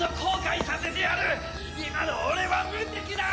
今の俺は無敵だ！